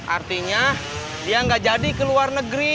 artinya dia nggak jadi ke luar negeri